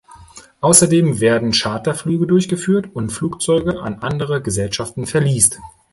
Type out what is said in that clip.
Außerdem werden Charterflüge durchgeführt und Flugzeuge an andere Gesellschaften verleast.